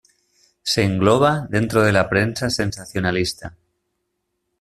Se engloba dentro de la prensa sensacionalista.